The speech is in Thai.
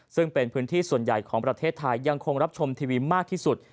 ซึ่งเป็นพื้นที่ส่วนใหญ่ของประเทศไทยยังคงรับชมทีวีมากที่สุด